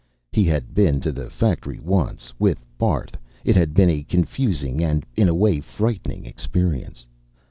He had been to the factory once, with Barth; it had been a confusing and, in a way, a frightening experience.